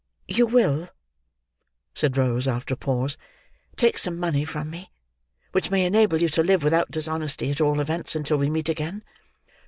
"You will," said Rose, after a pause, "take some money from me, which may enable you to live without dishonesty—at all events until we meet again?"